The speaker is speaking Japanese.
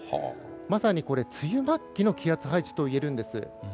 まさにこれ梅雨末期の気圧配置といえるんです。